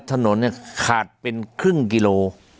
ถนนเนี่ยขาดเป็นครึ่งกิโล